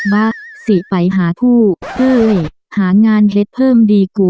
บะสิไปหาผู้เอ้ยหางานเฮ็ดเพิ่มดีกู